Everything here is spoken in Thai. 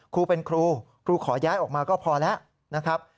ครูเป็นครูครูขอย้ายออกมาก็พอแล้วนะครับ